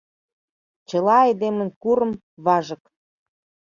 Чыла айдемын курым — важык.